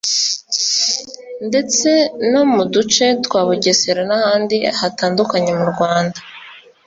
ndetse no mu duce twa Bugesera n’ahandi hatandukanye mu Rwanda